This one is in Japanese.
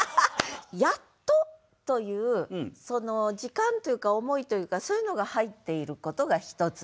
「やつと」という時間というか思いというかそういうのが入っていることが１つ。